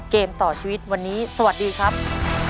เกมต่อชีวิตวันนี้สวัสดีครับ